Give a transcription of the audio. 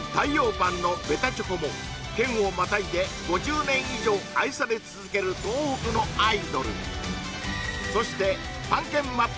パンのベタチョコも県をまたいで５０年以上愛され続ける東北のアイドルそしてパン圏マップが教えてくれる